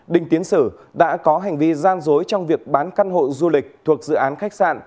đinh tiến sử đã có hành vi gian dối trong việc bán căn hộ du lịch thuộc dự án khách sạn